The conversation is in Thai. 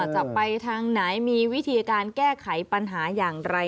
จะไปทางไหนมีวิธีการแก้ไขปัญหาอย่างไร